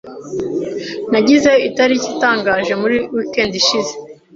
Nagize itariki itangaje muri weekend ishize.